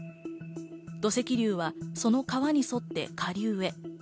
土石流は、その川に沿って下流へ。